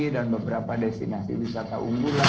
dan beberapa destinasi wisata unggulan